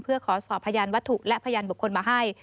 เพื่อขอสอบพยานวัตถุและพยานบุคคลมาให้